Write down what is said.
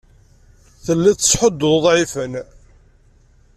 Telliḍ tettḥudduḍ uḍɛifen.